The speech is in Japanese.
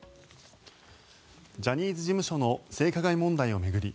ジャニーズ事務所の性加害問題を巡り